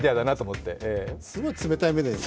すごい冷たい目で見て。